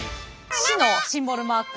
市のシンボルマーク。